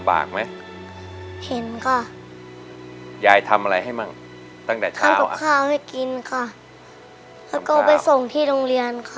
ไปชงที่โรงเรียนค่ะ